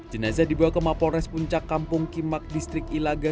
jenazah dibawa ke mapolres puncak kampung kimak distrik ilaga